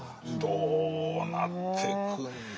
どうなってくんだろう。